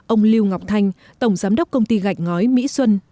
ông lưu ngọc thanh tổng giám đốc công ty gạch ngói mỹ xuân